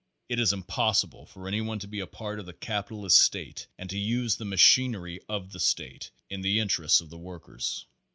It is impossible for anyone to be a part of the capi talist state and to use the machinery of the state in the interest of the workers.